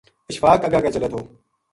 اشفاق اگے اگے چلے تھو